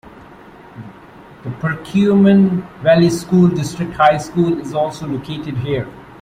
The Perkiomen Valley School District High School is also located here.